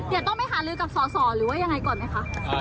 อย่าต้องไม่หารือกับสอหรือว่ายังไงก่อนไหมคะ